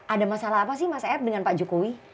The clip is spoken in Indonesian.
ada masalah apa sih mas aed dengan pak jokowi